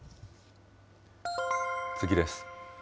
次です。